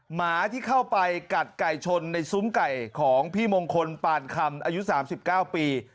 หมาที่เข้าไปกัดไก่ชนในซุ้มไก่ของพี่มงคลปานคำอายุ๓๙ปี